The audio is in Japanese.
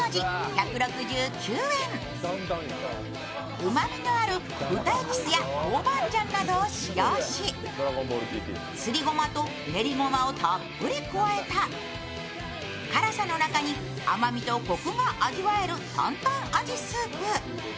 うまみのある豚エキスや豆板醤などを使用しすりごまと練りごまをたっぷり加えた辛さの中に甘みとこくが味わえる坦坦味スープ。